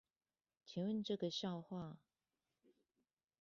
請問這個笑話